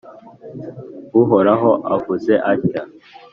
Uhoraho avuze atya :